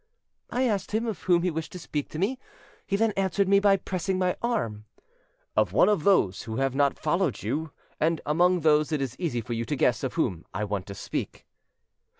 I asked him of whom he wished to speak to me. He then answered me by pressing my arm: 'Of one of those who have not followed you; and among those it is easy for you to guess of whom I want to speak.